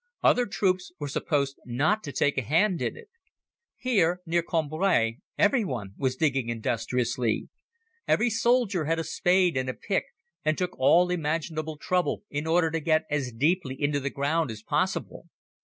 Other troops were supposed not to take a hand in it. Here, near Combres, everyone was digging industriously. Every soldier had a spade and a pick and took all imaginable trouble in order to get as deeply into the ground as possible.